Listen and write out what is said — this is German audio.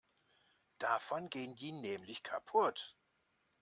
Davon gehen die nämlich kaputt.